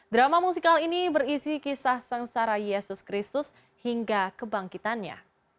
drama musikal ini berisi kisah sengsara yesus kristus hingga kebangkitannya